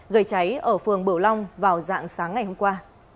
gây cháy ở phường bửu long vào dạng sáng ngày hôm qua